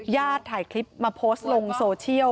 ถ่ายคลิปมาโพสต์ลงโซเชียล